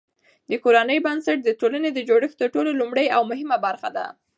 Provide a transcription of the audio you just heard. د کورنۍ بنسټ د ټولني د جوړښت تر ټولو لومړۍ او مهمه برخه ده.